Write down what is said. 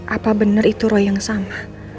apa bener itu roy yang sama